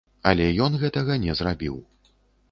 Але ён гэтага не зрабіў.